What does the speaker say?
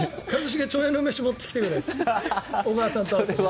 一茂、チョーヤの梅酒持ってきてくれって。